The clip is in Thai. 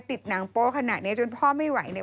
หนังโป๊ะขนาดนี้จนพ่อไม่ไหวเนี่ย